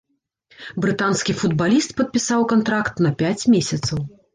Брытанскі футбаліст падпісаў кантракт на пяць месяцаў.